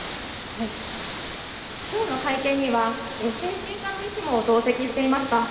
今日の会見には精神科の医師も同席していました。